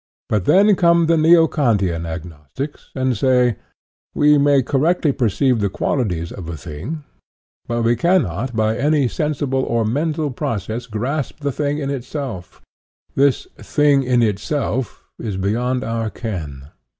But then come the Neo Kantian agnostics and say: We may correctly perceive the qualities of a thing, but we cannot by any sensible or mental process grasp the thing in itself. This " thing in itself" is beyond our ken.